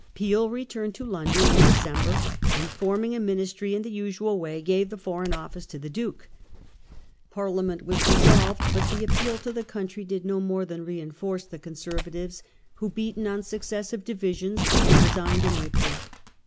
Peel returned to London in December ; and, forming a Ministry in the usual way, gave the Foreign Office to the Duke. Parliament was dissolved, but the appeal to the country did no more than reinforce the Conservatives, who, beaten on successive divisions, resigned in April.